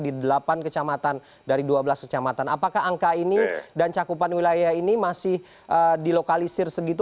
di delapan kecamatan dari dua belas kecamatan apakah angka ini dan cakupan wilayah ini masih dilokalisir segitu